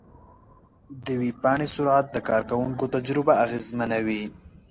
د ویب پاڼې سرعت د کارونکي تجربه اغېزمنوي.